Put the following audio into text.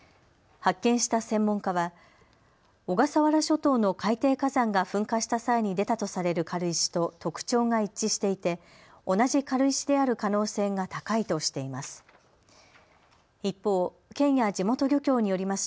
発見した専門家は小笠原諸島の海底火山が噴火した際に出たとされる軽石と特徴が一致していて同じ軽石である可能性が高いとしています。